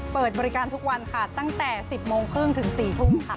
เปิดบริการทุกวันค่ะตั้งแต่๑๐โมงครึ่งถึง๔ทุ่มค่ะ